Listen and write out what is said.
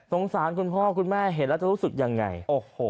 สารคุณพ่อคุณแม่เห็นแล้วจะรู้สึกยังไงโอ้โห